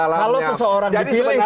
kalau seseorang dipilih karena agamanya